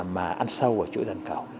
mà ăn sâu ở chủ đền cầu